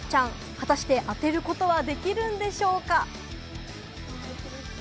果たして当てることは、できるんでしょうか？